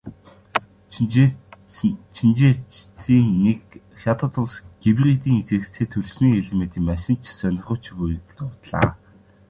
Шинжээчдийн нэг "Хятад улс гибридийн зэрэгцээ түлшний элементийн машин ч сонирхож буй"-г дурдлаа.